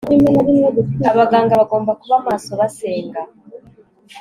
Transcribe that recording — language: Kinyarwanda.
Abaganga bagomba kuba maso basenga